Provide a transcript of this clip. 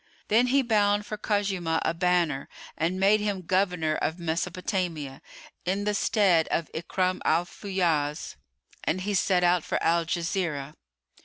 Then he bound for Khuzaymah a banner[FN#106] and made him Governor of Mesopotamia, in the stead of Ikrimah Al Fayyaz; and he set out for Al Jazirah.